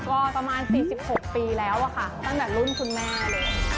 ก็ประมาณ๔๖ปีแล้วอะค่ะตั้งแต่รุ่นคุณแม่เลย